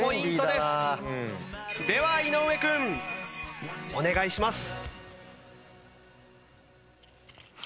では井上君お願いします。